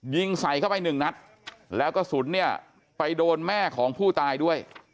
ยิงใส่เข้าไปหนึ่งนัดแล้วกระสุนเนี่ยไปโดนแม่ของผู้ตายด้วย